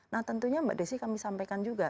nah tentunya mbak desi kami sampaikan juga